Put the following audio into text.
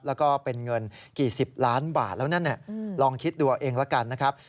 แล้วก็เป็นเงินกี่สิบล้านบาทแล้วนั่นลองคิดดูเอาเองละกันนะครับ